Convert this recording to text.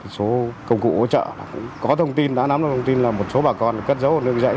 số công cụ hỗ trợ cũng có thông tin đã nắm được thông tin là một số bà con cất dấu ở nương dãy